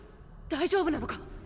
大丈夫なのか？